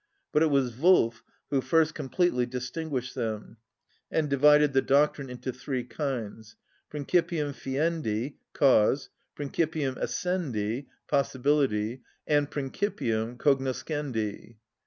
But it was Wolff who first completely distinguished them, and divided the doctrine into three kinds: principium fiendi (cause), principium essendi (possibility), and principium cognoscendi.